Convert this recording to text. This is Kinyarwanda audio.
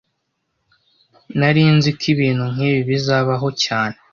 Nari nzi ko ibintu nkibi bizabaho cyane